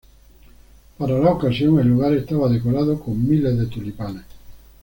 Para la ocasión, el lugar estaba decorado con miles de tulipanes.